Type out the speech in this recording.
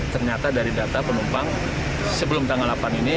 ternyata dari data penumpang sebelum tanggal delapan ini